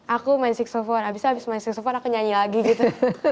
aku main saksepon abis nyanyi aku nyanyi lagi gitu